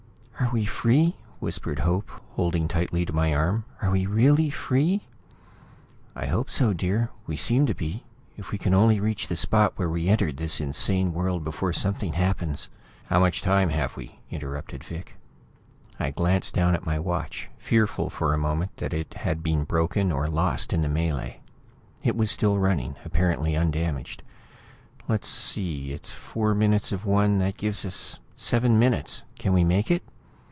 "Are we free?" whispered Hope, holding tightly to my arm. "Are we really free?" "I hope so, dear. We seem to be. If we can only reach the spot where we entered this insane world before something happens " "How much time have we?" interrupted Vic. I glanced down at my watch, fearful, for a moment, that it had been broken or lost in the melée. It was still running, apparently undamaged. "Let's see; it's four minutes of one. That gives us seven minutes. Can we make it?"